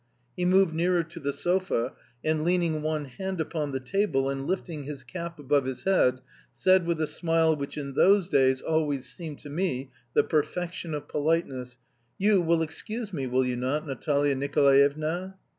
He moved nearer to the sofa, and, leaning one hand upon the table and lifting his cap above his head, said with, a smile which in those days always seemed to me the perfection of politeness: "You, will excuse me, will you not, Natalia Nicolaevna?"